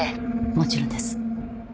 もちろんです。